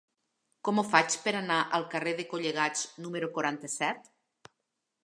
Com ho faig per anar al carrer de Collegats número quaranta-set?